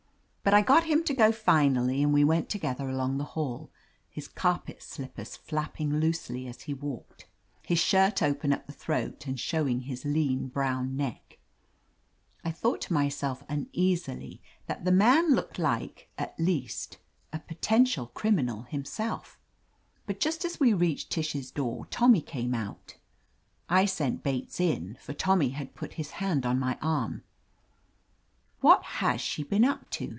But I got him to go finally, and we went together along the hall, his carpet slippers flap ping loosely as he walked, his shirt open at. the throat and showing his lean brown neck. I thought to myself uneasily that the man looked like, at least, a potential criminal him 167 THE AMAZING ADVENTURES self. But just as we reached Tish's door Tommy came out I sent Bates in, for Tommy had put his hand on my arm, "What has she been up to?"